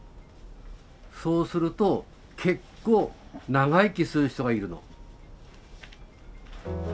そうすると結構長生きする人がいるの。